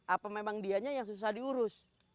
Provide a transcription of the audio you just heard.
apa memang dianya yang susah diurus